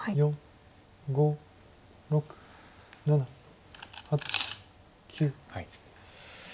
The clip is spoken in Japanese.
５６７８９。